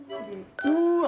うわ！